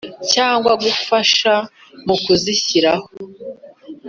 cyangwa gufasha mu kuzishyiraho